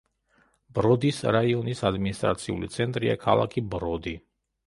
ბროდის რაიონის ადმინისტრაციული ცენტრია ქალაქი ბროდი.